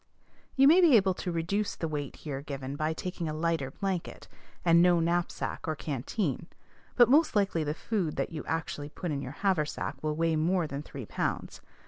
You may be able to reduce the weight here given by taking a lighter blanket, and no knapsack or canteen; but most likely the food that you actually put in your haversack will weigh more than three pounds.